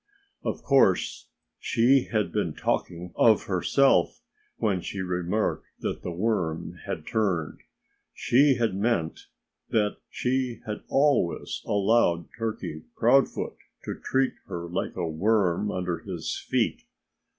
Of course she had been talking of herself when she remarked that the worm had turned. She had meant that she had always allowed Turkey Proudfoot to treat her like a worm under his feet.